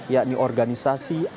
yakni organisasi angkasa